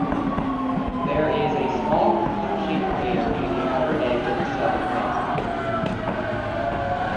There is a small, cup-shaped crater near the outer edge of the southern rim.